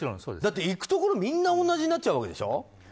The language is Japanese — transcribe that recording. だって、行くところみんな同じになっちゃうわけでしょ。